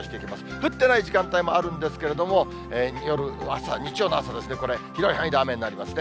降ってない時間帯もあるんですけれども、夜、朝、日曜の朝ですね、広い範囲で雨になりますね。